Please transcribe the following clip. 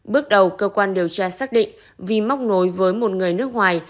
bước đầu cơ quan điều tra xác định vi móc nối với một người nước ngoài